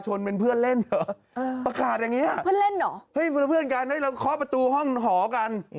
เฮ้ยเพื่อนกันเราเคาะประตูห้องหอกัน